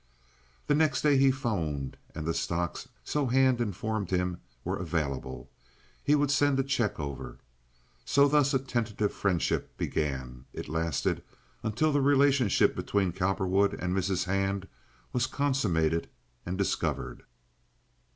The next day he 'phoned, and the stocks, so Hand informed him, were available. He would send a check over. So thus a tentative friendship began, and it lasted until the relationship between Cowperwood and Mrs. Hand was consummated and discovered.